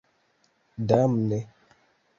Damne.